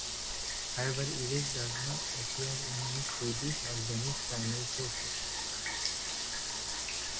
However, Eric does not appear in any Swedish or Danish primary sources.